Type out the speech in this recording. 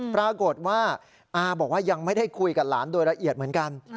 ปรากฏว่าอาบอกว่ายังไม่ได้คุยกับหลานโดยละเอียดเหมือนกัน